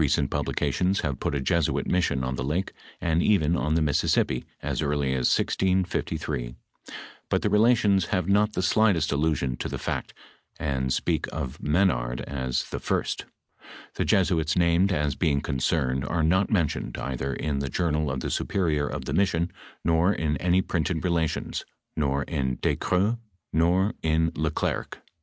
Reoent publications hav put a Jesuit tuission on the lake, and even on the Mississippi, as early as 1663 ; but the iiela tions have not the sligljtest allusion to the fntt, and speak of M£nard as the first Hie Jesuits named as being concerned, are not mentioned either in the journal of tlie superior of the mission, nor in any printed Relations, nor in Ducreux, nor in Le Clercq.